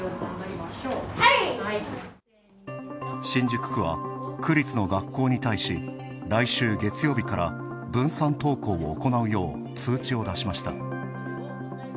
新宿区は、区立の学校に対し来週月曜日から、分散登校を行うよう通知を出しました。